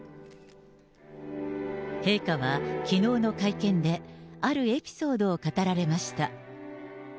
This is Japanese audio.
陛下はきのうの会見で、あるエピソードを語られました。